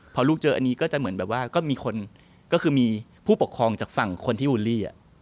พอลูกเจออันนี้ก็จะเหมือนแบบว่าก็มีคนก็คือมีผู้ปกครองจากฝั่งคนที่บูลลี่